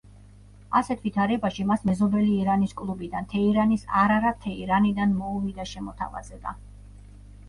ასეთ ვითარებაში მას მეზობელი ირანის კლუბიდან, თეირანის არარატ თეირანიდან მოუვიდა შემოთავაზება.